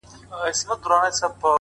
د کور مغول مو له نکلونو سره لوبي کوي،